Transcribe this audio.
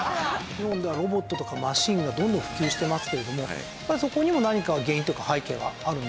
日本ではロボットとかマシンがどんどん普及してますけれどもやっぱりそこにも何か原因とか背景はある？